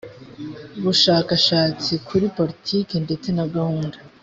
bushakashatsi kuri politike ndetse na gahunda